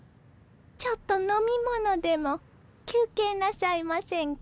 ちょっと飲み物でも休憩なさいませんか？